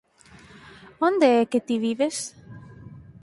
Onde é que ti vives?